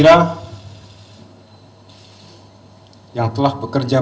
karena selama lebih dari lima belas tahun